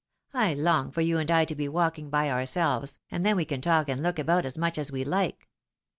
I long for you and I to be walking by ourselves, and then we can talk and look about as much as we like."